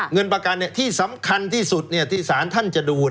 เงินประกันที่สำคัญที่สุดที่สารท่านจะดู